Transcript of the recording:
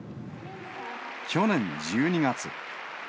去年１２月。